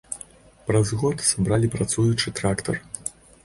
Праз год сабралі працуючы трактар.